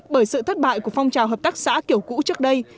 bởi sự thất bại của phong trào hợp tác xã kiểu cũ trước đây